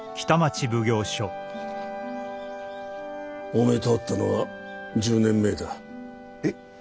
おめえと会ったのは１０年前だ。え？